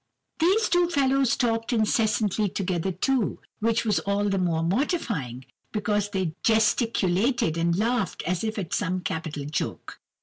"These two fellows talked incessantly together too, which was all the more mortifying, because they gesticulated and laughed as if at some capital joke.